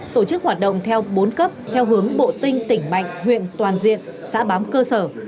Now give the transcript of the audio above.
tổ chức hoạt động theo bốn cấp theo hướng bộ tinh tỉnh mạnh huyện toàn diện xã bám cơ sở